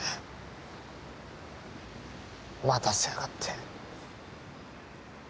待たせやがって。